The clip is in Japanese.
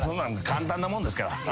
簡単なもんですから。